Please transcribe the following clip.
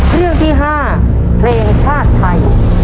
เรื่องที่๕เพลงชาติไทย